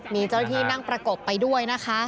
มีเจ้าหน้าที่นั่งประกบไปด้วยนะคะ